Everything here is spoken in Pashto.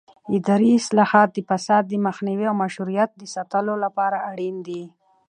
اداري اصلاحات د فساد د مخنیوي او مشروعیت د ساتلو لپاره اړین دي